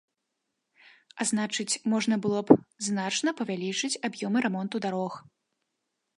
А значыць, можна было б значна павялічыць аб'ёмы рамонту дарог.